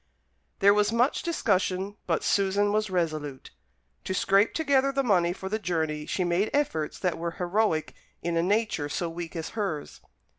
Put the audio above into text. There was much discussion; but Susan was resolute. To scrape together the money for the journey she made efforts that were heroic in a nature so weak as hers.